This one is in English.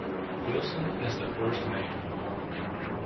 Wilson as the first mayor.